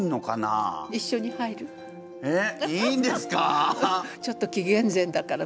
えっいいんですか？